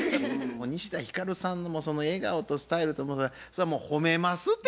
西田ひかるさんのその笑顔とスタイルと思えばそれはもう褒めますて。